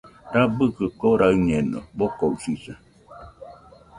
Rabɨkɨ koraɨñeno, bokoɨsisa.